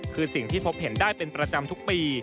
คือสิ่งที่พบเห็นได้เป็นประจำทุกปี